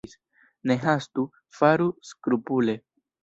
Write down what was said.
Ne hastu, faru skrupule.